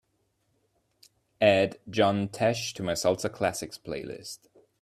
Add John Tesh to my salsa classics playlist